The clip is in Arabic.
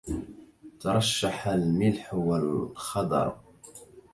ترشح الملح والخدر